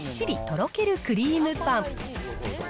とろけるクリームパン。